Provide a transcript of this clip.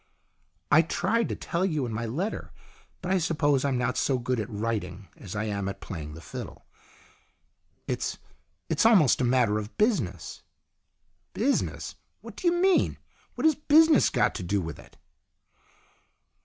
" I tried to tell you in my letter. But I suppose I'm not so good at writing as I am at playing the fiddle. It's it's almost a matter of business." "Business? What do you mean? What has business got to do with it